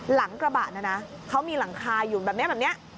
หลังกระบะนะนะเขามีหลังคาอยู่แบบนี้แบบนี้